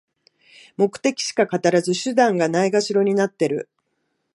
目的しか語らず、手段がないがしろになってる